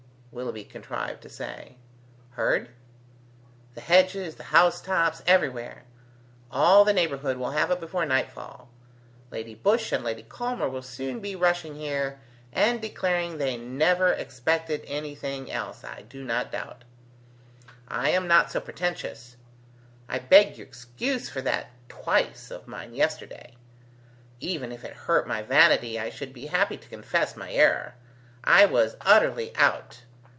..." Willoughby contrived to say. "Heard? The hedges, the housetops, everywhere. All the neighbourhood will have it before nightfall. Lady Busshe and Lady Culmer will soon be rushing here, and declaring they never expected anything else, I do not doubt. I am not so pretentious. I beg your excuse for that 'twice' of mine yesterday. Even if it hurt my vanity, I should be happy to confess my error: I was utterly out.